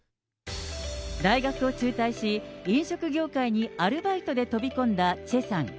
大学を中退し、飲食業界にアルバイトで飛び込んだチェさん。